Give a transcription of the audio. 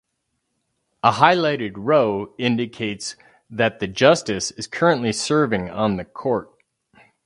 A highlighted row indicates that the Justice is currently serving on the Court.